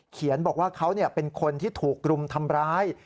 เขียนบอกว่าเขาเป็นคนที่ถูกรุมทำร้าย